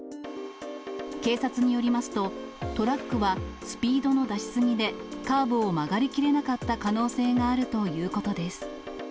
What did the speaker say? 警察によりますと、トラックは、スピードの出しすぎでカーブを曲がり切れなかった可能性があるということです。